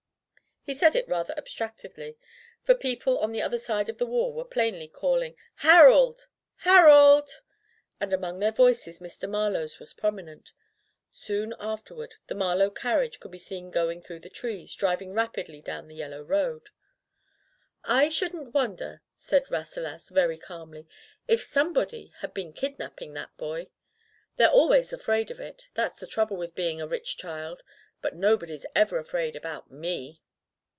'* He said it rather abstractedly, for people on the other side of the wall were plainly calling: "Harold! Harold!'* and among their voices Mr. Marlowe's was prominent. Soon afterward, the Marlowe carriage could be seen through the trees, driving rapidly down the yellow road. [ 176 ] Digitized by LjOOQ IC Rasselas in the Vegetable Kingdom "I shouldn't wonder/' said Rasselas, very calmly, "if somebody had been kidnapping that boy. They're always afraid of it. That's the trouble with being a rich child. But no body's ever afraid about m^."